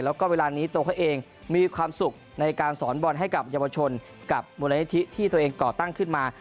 แล้วก็เวลานี้ตัวเขาเองมีความสุขในการสอนบอลให้กับเยาวชนกับมูลนิธิที่ตัวเองก่อตั้งขึ้นมา